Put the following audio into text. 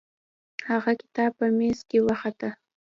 هغه کتاب په میز کې وخته.